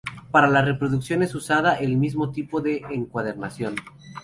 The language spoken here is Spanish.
Para la reproducción es usada el mismo tipo de encuadernación.